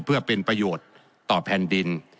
เพื่อเป็นประโยชน์ต่อแผ่นดิน